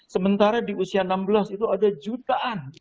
sementara di usia enam belas itu ada jutaan